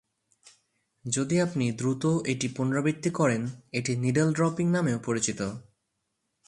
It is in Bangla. যদি আপনি দ্রুত এটি পুনরাবৃত্তি করেন, এটি "নিডল ড্রপিং" নামেও পরিচিত।